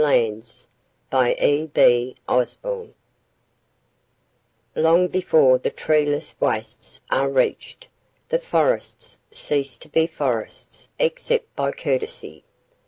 LOWELL THE BARREN LANDS Long before the treeless wastes are reached, the forests cease to be forests except by courtesy.